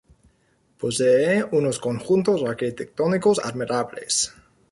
Posee unos conjuntos arquitectónicos admirables.